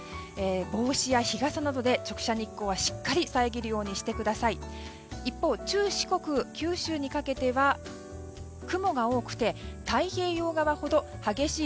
帽子や日傘などで直射日光はしっかり遮るようにしてください。